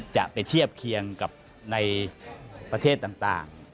จะไปเทียบเคียงกับในประเทศต่าง